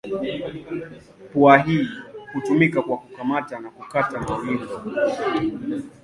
Pua hii hutumika kwa kukamata na kukata mawindo.